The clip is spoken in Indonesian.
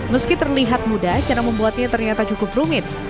meski terlihat mudah cara membuatnya ternyata cukup rumit